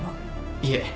いえ。